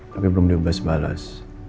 tapi belum diubah sebales